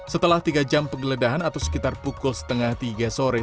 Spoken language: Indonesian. setelah tiga jam penggeledahan atau sekitar pukul setengah tiga sore